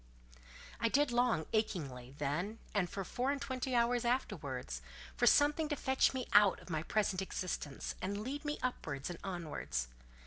I did long, achingly, then and for four and twenty hours afterwards, for something to fetch me out of my present existence, and lead me upwards and onwards.